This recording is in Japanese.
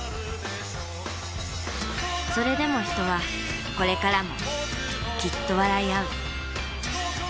それでも人はこれからもきっと笑いあう。